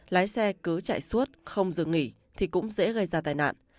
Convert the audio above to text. lái xe cứ chạy suốt không dừng nghỉ thì cũng dễ gây ra tai nạn